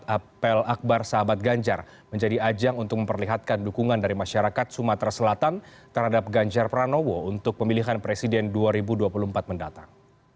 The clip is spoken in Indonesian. apel akbar sahabat ganjar menjadi ajang untuk memperlihatkan dukungan dari masyarakat sumatera selatan terhadap ganjar pranowo untuk pemilihan presiden dua ribu dua puluh empat mendatang